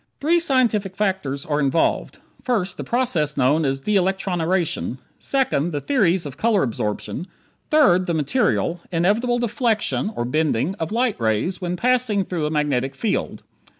Three scientific factors are involved: First, the process known as de electroniration; second, the theories of color absorption; third, the material, inevitable deflection (bending) of light rays when passing through a magnetic field.